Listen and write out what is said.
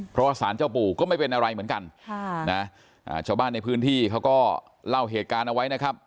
เพราะว่าสารเจ้าปู่ก็ไม่เป็นอะไรเหมือนกันชาวบ้านในพื้นที่เขาก็เล่าเหตุการณ์เอาไว้นะครับ